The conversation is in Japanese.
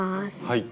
はい。